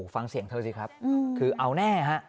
ฟังเสียงเธอสิครับคือเอาแน่ฮะ